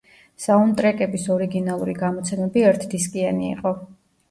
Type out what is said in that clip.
საუნდტრეკების ორიგინალური გამოცემები ერთდისკიანი იყო.